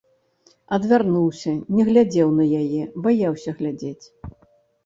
Адвярнуўся, не глядзеў на яе, баяўся глядзець.